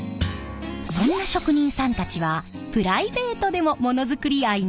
そんな職人さんたちはプライベートでもモノづくり愛にあふれているようで。